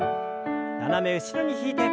斜め後ろに引いて。